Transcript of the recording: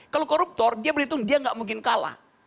kalau koruptor dia berhitung dia nggak mungkin kalah